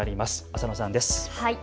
浅野さんです。